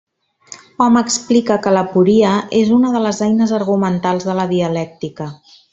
Hom explica que l'aporia és una de les eines argumentals de la dialèctica.